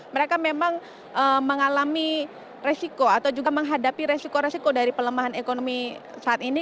mereka memang mengalami resiko atau juga menghadapi resiko resiko dari pelemahan ekonomi saat ini